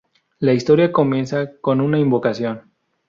La historia comienza con una invocación.